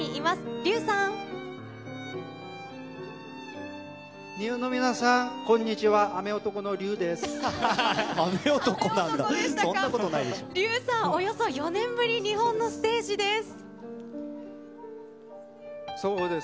Ｒｙｕさん、およそ４年ぶり、日本のステージです。